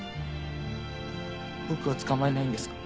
僕を捕まえないんですか？